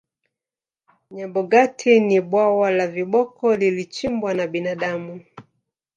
nyabogati ni bwawa la viboko lilichimbwa na binadamu